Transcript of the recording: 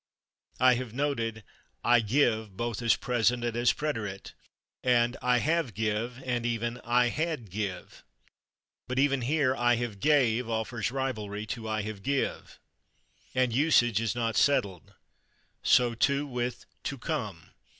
I have noted "I /give/" both as present and as preterite, and "I have /give/," and even "I had /give/." But even here "I have /gave/" offers rivalry to "I have /give/," and usage is not settled. So, too, with /to come